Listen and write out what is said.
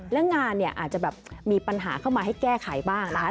และงานเนี่ยอาจจะแบบมีปัญหาเข้ามาให้แก้ไขบ้างนะคะ